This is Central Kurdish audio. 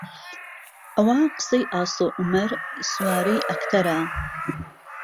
ئەوە قسەی ئاسۆ عومەر سوارەی ئەکتەرە